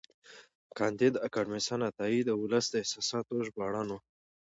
کانديد اکاډميسن عطایي د ولس د احساساتو ژباړن و.